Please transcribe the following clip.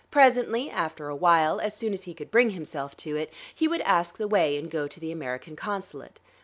Presently after a while as soon as he could bring himself to it he would ask the way and go to the American Consulate.